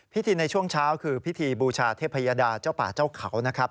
ในช่วงเช้าคือพิธีบูชาเทพยดาเจ้าป่าเจ้าเขานะครับ